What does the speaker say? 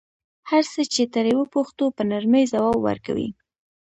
هر څه چې ترې وپوښتو په نرمۍ ځواب ورکوي.